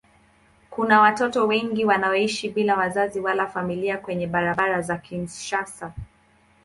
Kuna watoto wengi wanaoishi bila wazazi wala familia kwenye barabara za Kinshasa.